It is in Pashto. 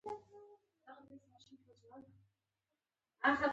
هغه غواړي د تولید نوي ماشینونه وپېري